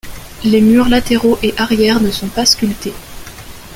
Les murs latéraux et arrière ne sont pas sculptés.